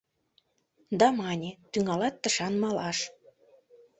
Да мане: «Тӱҥалат тышан малаш».